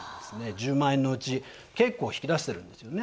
１０万円のうち、結構引き出してるんですよね。